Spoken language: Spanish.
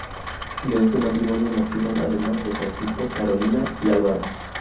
De este matrimonio nacieron, además de Francisco, Carolina y Álvaro.